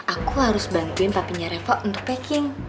aku harus bantuin papinya reva untuk packing